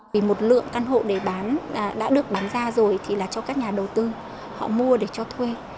vì một lượng căn hộ để bán đã được bán ra rồi thì là cho các nhà đầu tư họ mua để cho thuê